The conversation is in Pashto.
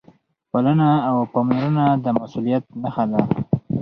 پالنه او پاملرنه د مسؤلیت نښه ده.